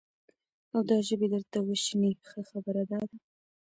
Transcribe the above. او دا ژبې درته وشني، ښه خبره دا ده،